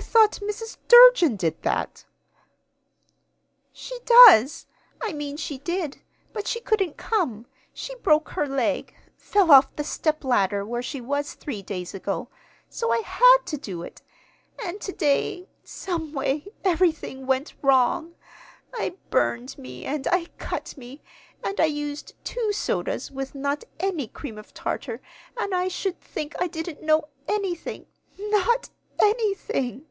_ I thought Mrs. Durgin did that." "She does. I mean she did. But she couldn't come. She broke her leg fell off the stepladder where she was three days ago. So I had to do it. And to day, someway, everything went wrong. I burned me, and I cut me, and I used two sodas with not any cream of tartar, and I should think I didn't know anything, not anything!"